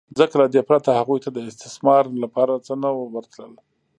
ځکه له دې پرته هغوی ته د استثمار لپاره څه نه ورتلل